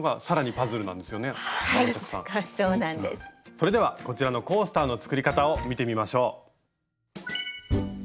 それではこちらのコースターの作り方を見てみましょう。